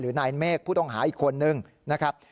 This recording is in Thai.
นายเมฆผู้ต้องหาอีกคนนึงนะครับ